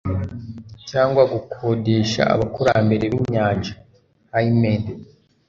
cyangwa gukodesha abakurambere b'inyanja-hymen